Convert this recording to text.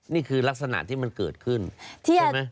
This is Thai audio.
นี่คือลักษณะที่มันเกิดขึ้นใช่ไหม